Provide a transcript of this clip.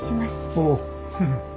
おう。